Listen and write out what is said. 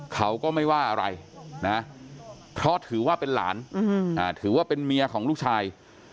เขาก็ไม่ว่าอะไรนะเพราะถือว่าเป็นหลานถือว่าเป็นเมียของลูกชาย